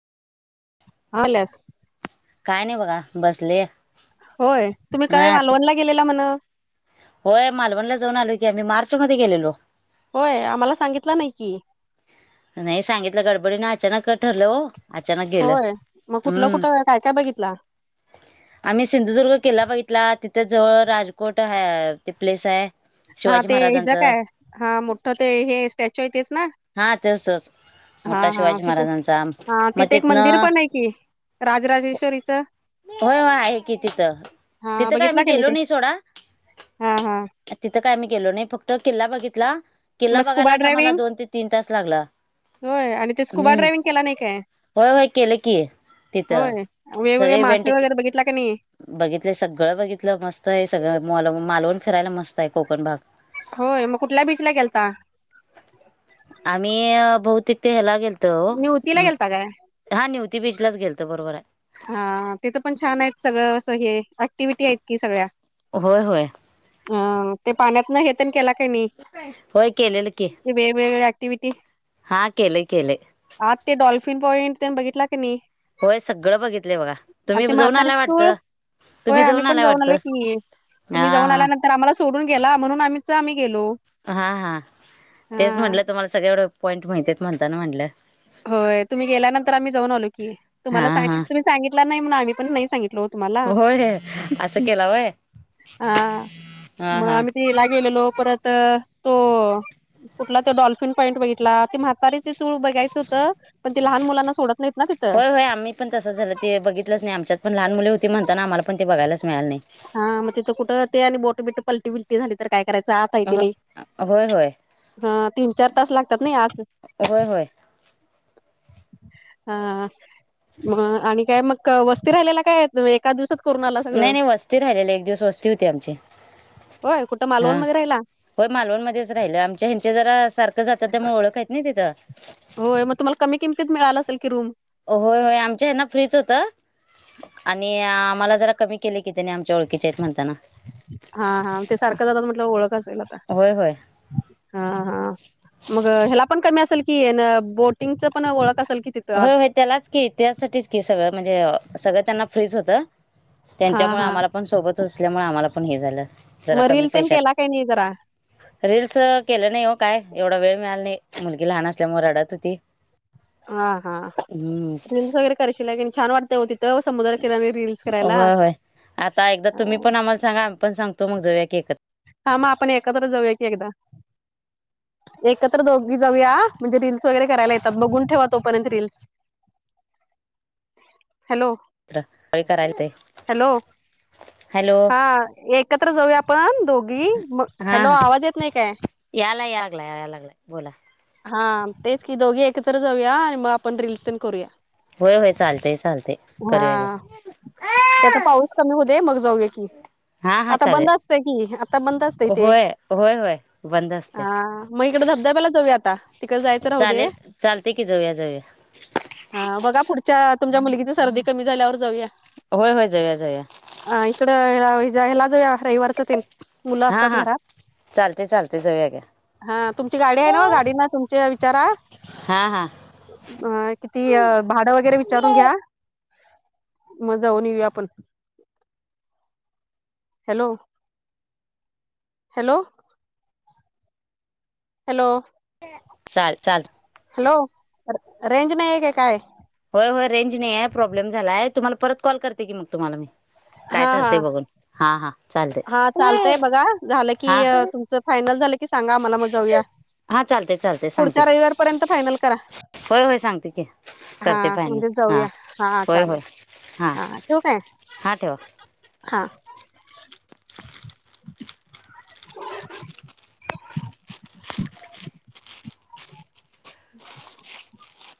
हल्यास. काय नाही बघा बसले. होय तुम्ही काराय ना मालवणला गेलेला म्हण. होय मालवणला जाऊन आलो की आम्ही मार्च मध्ये गेलेलो. होय आम्हाला सांगितलं नाही की नाही सांगितलं गडबडीन अचानक ठरलं हो. अचानक गेलं होय मग कुठलं हम्म कुठं काय काय बघितला. आम्ही सिंधुदुर्ग केला बघितला तिथे जवळ राजकोट हा ते प्लेस आहे हा शिवाजी ते ह ज महाराजांचं काय हा मोठं ते हे स्टॅच्यू येतच ना हा तेच तोच हा मोठा हा शिवाजी किथ महाराजांचा हा मग तिथे एक मंदिर तिथनं पण आहे कि राजराजेश्वरीच होय आहे की तिथं हा तिथं काय बघितला म्ही का गेलो ते नाही सोडा हा हा तिथं काय मी गेलो नाही फक्त किल्ला बघितला किल्ला मग स्कुबा बघायलाच आम्हाला ड्रायव्हिंग दोन ते तीन तास लागला होय आणि ते स्कुबा ड्रायव्हिंग हम्म केला नाही काय होय होय केलं की होय तिथं वेगवेगळे मासे वगैरे बघितला का नाही बघितलं सगळं बघितलं मस्त आहे सगळंल मालवण फिरायला मस्त आहे कोकण भाग होय मग कुठल्या बीचला गेलता आम्ही बहुतिक ते हला गेलतो नव उ तिला गेलतगे हा न्यूती बीच गेलतं बरोबर आहे. हा तिथं पण छान आहेत सगळं असं हे ऍक्टिव्हटी आहेत कि सगळ्या होय होय अ ते पाण्यात न हेेतण केला काही नाही होयके ललकी वेगवेगळे क्टिवििटी हा केले केले आज ते डॉल्फिन पॉइंट बघितला क नाही होय सगळं बघितलंय बघा आणि ते तुम्ही जाऊन आलाय म्हातारीच तूळ वाटतं होय तुम्ही आम्ही पण आलाय जाऊन वाटतं आलो की हा तुम्ही जाऊन हा आल्यानंतर तर आम्हाला सोडून गे म्हून आम्हीच आम्ही गेलो हा हा तेच हा म्हटलं तुम्हाला सगळ एवढं पॉइंट माहितीेत म्हणताना म्हटलं होय तुम्ही गेल्यानंतर आम्ही जाऊनलोी हा तुम्हाला सांग हा तुम्ही सांगितला नाही म्हग आम्ही पण नाही सांगित हो मला होय असं केला वय हा हा मग हा आम् तिला गेलेलो परत तो कुठला तो डॉल्फिन पॉईंट बघितला त म्हातारारीची चूळ बघायच पण ते लहान मुलांना सोडत नाहीत ना तिथं होय होय आम्ही पण तस झालं ते बघितलंच नाही आमच्यात पण लहान मुले होती म्हणताना आमला पण ते बघायच मिळाल नाही हा मग तिथं कुठं ते आणि बोट बिट पलटी बलटी झाली तर काय करायचं आ होय होय हा तीन चार तास लागतात ना आज अय होय हा मग आणि काय मग वस्ती राहिलेला काय आहे एका दिवसात. करून आला नाही सगळं नाही वस्ती राहिलेली एक दिवस वस्ती होती आमची. होय कुठं हा मालवणमध्येध्ये राहिला. होय मालवणमध्येध्येच राहिल आमच्या ह्यांचे जरा सारखं जातात त्यामुळे ओळख आहेतत नाही तिथं. होय मग तुम्हाला कमी किमतीत मिळाला असेल की रूम होय होय आमच्या हना फ्रीच होतं. आणि आम्हाला जरा कमी केले किती नाही आमच्या ओळखीचे आहेत म्हणताना. हा हा ते सारखं जातात म्हटलं ओळख असेल आता होय होय हा हा. मग ह्याला पण कमी असेल कि बोटिंगच पण ओळख असेल की ति होय होय त्यालाच की त्यासाठीच की सगळं म्हणजे सगळं त्यांना फ्रीच होतं. हा त्यांच्यामुळे हा आम्हाला पण सोबत असल्यामुळे आम्हाला पण हे झालं जरा मग रील कमी तेन पैशात. केला काही नाही जरा रीलल्स केलं नाही हो काय एवढा वेळ मिळाला नाही मुलगी लहान असल्यामुळे रडत होती. हा हा हम्म रीलस वगैरे करशील छान वाटत हो तिथं समुद्र किराने रीलल्स होय होय आता एकदा तुम्ही पण आम्हाला सांगा आम पण सांगतो मग जवळ्या की एकत हा मग आपण एकत्र जाऊया की एकदा. एकत्र दोघी जाऊया म्हणजे रीलस वगैरे करायला येतात बघून ठेवा तोपर्यंत रीलस. हॅलो! करायला ते हॅलो हॅलो हा एक. एकत्र जाऊया आपण दोघ मग हा हॅलो हा आवाज येत नाही काय.. याला या लागला या लागलाय बोला हा तेच की दोघी एकत्र जाऊया आणि मग आपण रीलल्स प करूया. होय होय चालते चालते. हा त्याता पाऊस कमी हो दे मग जाऊगे की. हा हा आता चालेल बंद असतय कि आता बंद असतय ते होय होय होय बंद असते हा मग इकड धबधब्याला जाऊया आता तिकडे जायचं राहू दे. चालेल चालते की जाऊया जाऊया हा बघा पुढच्या तुमच्या मुलगीची सर्दी कमी झाल्यावर जाऊया. होय होय जया जाऊया. अ इकडलाज व्यवहार वरच ते. मुलं हा असतात हा घरात. चालते चालते जाऊया घ्या हा तुमची गाडी आहे ना गाडी ना तुमच्या विचारा. हा हा. अ किती भाडं वगैरे विचारून घ्या. मजाऊन येऊ आपण हॅलो हॅलो. हॅलो. चाल चाल. हॅलो रेंज नाही आहे का काय. होय होय रेंज नाही आहे प्रॉब्लेम झालाय तुम्हाला परत कॉल करते की मग तुम्हाला मी काय हा हा ठरते बघून. हां हां चालेल. हा चालतंय बघा झालं की तुमचं फायनल झालं की सांगा आम्हाला मग जाऊया. हा चालते चालते सांगते पुढच्या की रविवारपर्यंत फायनल करा होय होय सांगते की. हा करते फायनल म्हणजे हा जाऊया हा होय होय चालेल हां हा तू काय. हां ठेवा हा. [inaudible] [unintelligible]